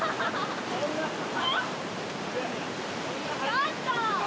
ちょっと！